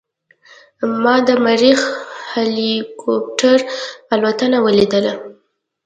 ما د مریخ هلیکوپټر الوتنه ولیدله.